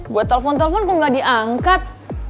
buat telepon telepon kok gak diangkat